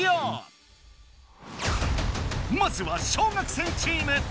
まずは小学生チーム！